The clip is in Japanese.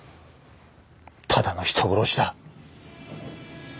ただの人殺しだ。